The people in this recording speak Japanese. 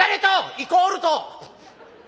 「イコールと！」。